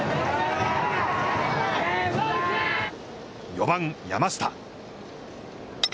４番山下。